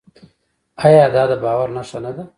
آیا دا د باور نښه نه ده؟